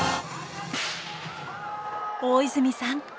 大泉さん